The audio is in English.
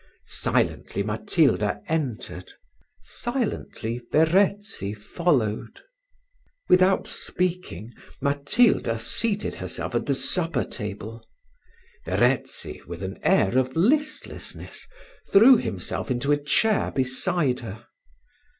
Silently Matilda entered silently Verezzi followed. Without speaking, Matilda seated herself at the supper table: Verezzi, with an air of listlessness, threw himself into a chair beside her.